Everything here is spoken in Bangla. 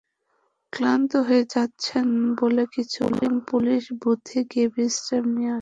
ক্লান্ত হয়ে যাচ্ছেন বলে কিছুক্ষণ পুলিশ বুথে গিয়ে বিশ্রাম নিয়ে আসেন।